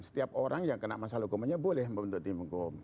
setiap orang yang kena masalah hukumannya boleh membentuk tim hukum